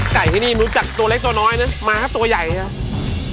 ไก่ที่นี่รู้จักตัวเล็กตัวน้อยนะมาครับตัวใหญ่นะครับ